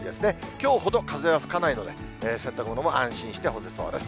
きょうほど風は吹かないので、洗濯物も安心して干せそうです。